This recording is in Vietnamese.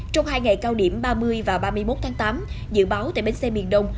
trong hai ngày cao điểm ba mươi và ba mươi một tháng tám dự báo tại bến xe miền đông